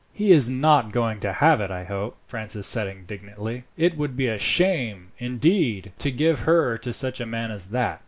"He is not going to have it, I hope," Francis said indignantly. "It would be a shame, indeed, to give her to such a man as that."